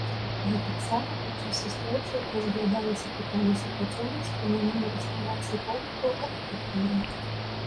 Гэтаксама падчас сустрэчы разглядалася пытанне супрацоўніцтва на ніве рэстаўрацыі помнікаў архітэктуры.